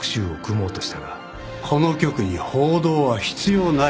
この局に報道は必要ないと。